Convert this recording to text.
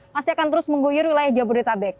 masih akan terus mengguyur wilayah jabodetabek